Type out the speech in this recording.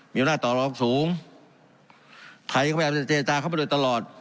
มีอำนาจต่อรองสูงไทยก็พยายามจะเจรจาเข้ามาโดยตลอด